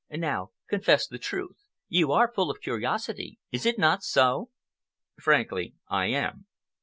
Now confess the truth; you are full of curiosity, is it not so?" "Frankly, I am."